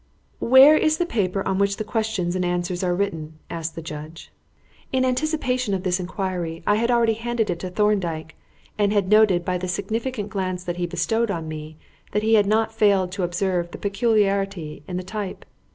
"Where is this paper on which the questions and answers are written?" asked the judge. In anticipation of this inquiry I had already handed it to Thorndyke, and had noted by the significant glance that he bestowed on me that he had not failed to observe the peculiarity in the type.